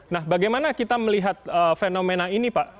nah bagaimana kita melihat fenomena ini pak